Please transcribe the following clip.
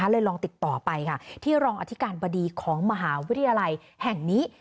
ลองติดต่อไปค่ะที่รองอธิการบดีของมหาวิทยาลัยแห่งนี้